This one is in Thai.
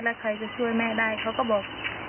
แล้วใครจะช่วยแม่ได้เขาก็บอก